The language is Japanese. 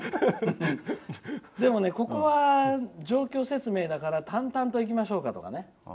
でも、ここは状況説明だから淡々といきましょうかとかね。